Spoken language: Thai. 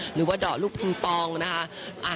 หรือว่าดอกปื้นตองนะคะ